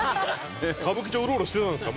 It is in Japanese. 歌舞伎町うろうろしてたんですか？